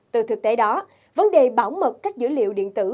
từ thực tế đó vấn đề bảo mật các dữ liệu điện tử